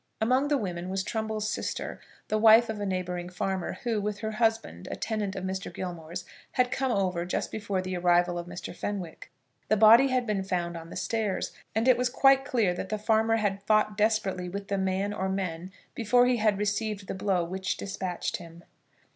Among the women was Trumbull's sister, the wife of a neighbouring farmer, who, with her husband, a tenant of Mr. Gilmore's, had come over just before the arrival of Mr. Fenwick. The body had been found on the stairs, and it was quite clear that the farmer had fought desperately with the man or men before he had received the blow which despatched him.